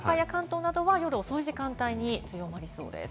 東海や関東などは夜遅い時間帯に強まりそうです。